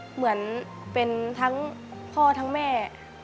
เหมือนเป็นทั้งพ่อทั้งแม่